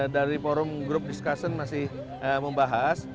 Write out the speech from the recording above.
dari forum group discussion masih membahas